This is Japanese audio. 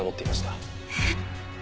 えっ！